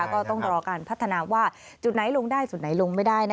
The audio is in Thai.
ก็ต้องรอการพัฒนาว่าจุดไหนลงได้จุดไหนลงไม่ได้